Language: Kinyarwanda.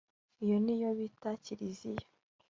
iyo ni yo bita kiliziya